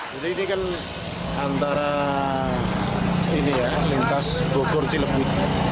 jadi ini kan antara lintas bogor cilebuk